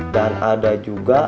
dan ada juga